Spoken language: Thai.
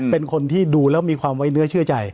เป็นคนที่ดูแล้วมีความไว้เนื้อเชื่อใจ